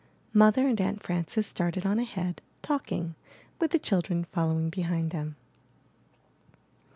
Mother and Aunt Fran ces started on ahead, talking, with the child ren following behind them.